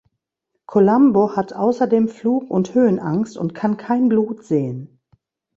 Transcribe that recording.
Columbo hat außerdem Flug- und Höhenangst und kann kein Blut sehen.